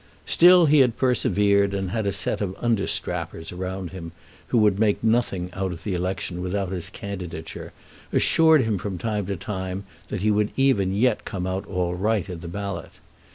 Still he had persevered, and a set of understrappers around him, who would make nothing out of the election without his candidature, assured him from time to time that he would even yet come out all right at the ballot.